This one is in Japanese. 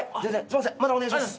またお願いします。